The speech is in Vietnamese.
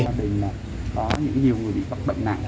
các gia đình có nhiều người bị bệnh nặng